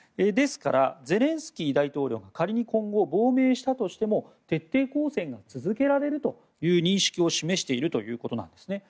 ですから、ゼレンスキー大統領が仮に今後亡命したとしても徹底抗戦が続けられるという認識を示しているということなんです。